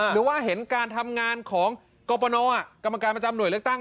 หรือว่าเห็นการทำงานของกรปนกรรมการประจำหน่วยเลือกตั้ง